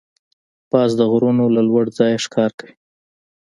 باز د غرونو له لوړ ځایه ښکار کوي